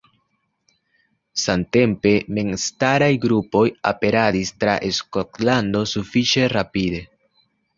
Samtempe memstaraj grupoj aperadis tra Skotlando sufiĉe rapide.